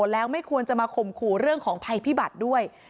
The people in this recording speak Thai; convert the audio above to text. แล้วไม่ควรจะมาข่มขู่เรื่องของภัยพิบัติด้วย